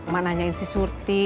mak nanyain si surti